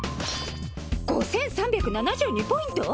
５３７２ポイント！？